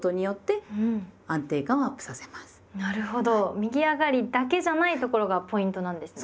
右上がりだけじゃないところがポイントなんですね。